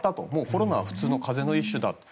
コロナは普通の風邪の一種だと。